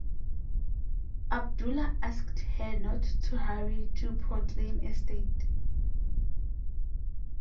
Abdullah asked her not to hurry to proclaim a state.